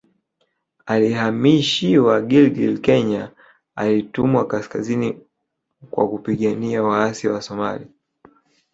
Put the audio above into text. Alihamishiwa Gilgil Kenya alitumwa kaskazini kwa kupigania waasi Wasomalia